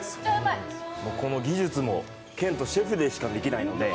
この技術も健人シェフにしかできないので。